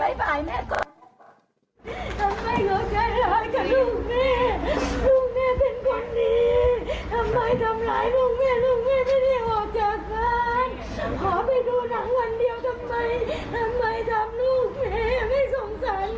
แม่รักหนูแม่กอดหนูแม่กอดหนูแม่กันอยู่กับหนูกอดกันกอดกัน